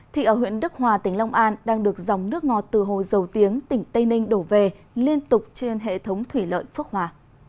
thì ở huyện đức hòa tỉnh long an đang được dòng nước ngọt từ hồ dầu tiếng tỉnh tây ninh đổ về liên tục trên hệ thống thủy lợi phước hòa